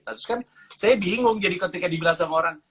terus kan saya bingung jadi ketika dibilang sama orang